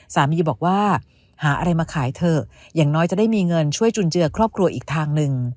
สามีบอกว่าหาอะไรมาขายเถอะอย่างน้อยจะได้มีเงินช่วยจุนเจือครอบครัวอีกทางหนึ่ง